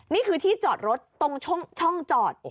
นี่คือที่จอดรถตรงช่องจอด